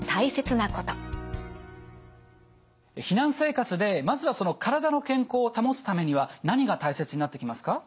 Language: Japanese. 避難生活でまずは体の健康を保つためには何が大切になってきますか？